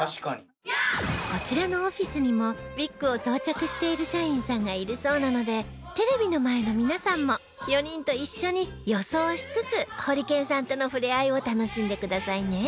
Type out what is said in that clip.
こちらのオフィスにもウィッグを装着している社員さんがいるそうなのでテレビの前の皆さんも４人と一緒に予想しつつホリケンさんとのふれあいを楽しんでくださいね